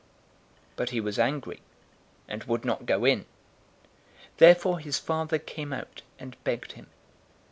015:028 But he was angry, and would not go in. Therefore his father came out, and begged him.